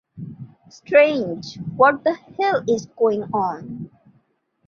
Strange! What the hell is going on.